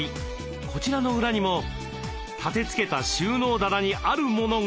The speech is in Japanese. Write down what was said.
こちらの裏にも立てつけた収納棚にあるモノが。